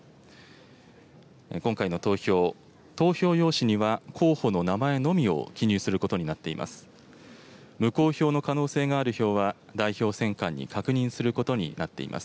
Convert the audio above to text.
今回の投票、投票用紙には候補の名前のみを記入することになっています。